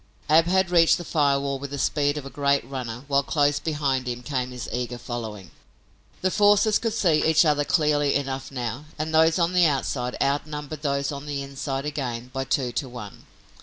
Ab had reached the fire wall with the speed of a great runner while, close behind him, came his eager following. The forces could see each other clearly enough now, and those on the outside outnumbered those on the inside again by two to one.